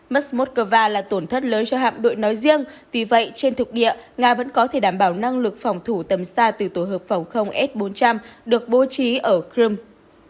moscow là tổn thất lớn cho hạm đội nói riêng vì vậy trên thực địa nga vẫn có thể đảm bảo năng lực phòng thủ tầm xa từ tổ hợp phòng không s bốn trăm linh được bố trí ở crimea